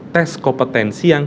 tes kompetensi yang